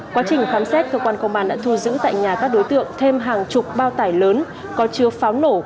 quá trình khám xét cơ quan công an đã thu giữ tại nhà các đối tượng thêm hàng chục bao tải lớn có chứa pháo nổ